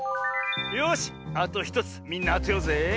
よしあと１つみんなあてようぜ。